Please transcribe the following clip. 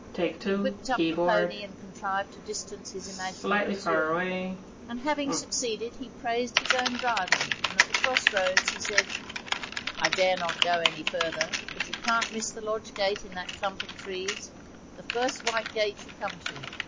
He whipped up the pony, and contrived to distance his imaginary pursuer; and having succeeded, he praised his own driving, and at the cross roads he said: 'I dare not go any farther, but you can't miss the lodge gate in that clump of trees the first white gate you come to.